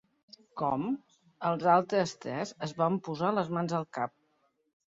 Com?! —els altres tres es van posar les mans al cap.